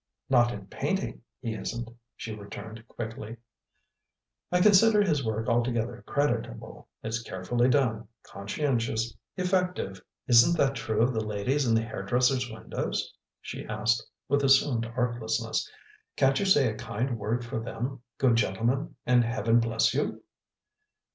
"Not in painting, he isn't," she returned quickly, "I consider his work altogether creditable; it's carefully done, conscientious, effective " "Isn't that true of the ladies in the hairdressers' windows?" she asked with assumed artlessness. "Can't you say a kind word for them, good gentleman, and heaven bless you?"